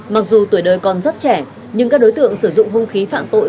mặc dù tuổi đời còn rất trẻ nhưng các đối tượng sử dụng hung khí phạm tội